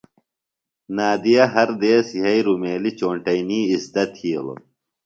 نادیہ ہر دیس یھئی رُمیلیۡ چونٹئینی اِزدہ تھیلوۡ۔